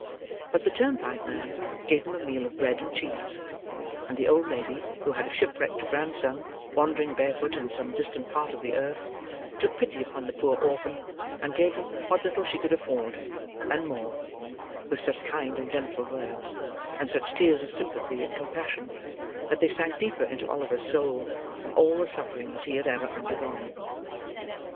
But the turnpike man gave him a meal of bread and cheese; and the old lady, who had a shipwrecked grandson wandering barefoot in some distant part of the earth, took pity upon the poor orphan, and gave him what little she could afford—and more—with such kind and gentle words, and such tears of sympathy and compassion, that they sank deeper into Oliver's soul, than all the sufferings he had ever undergone.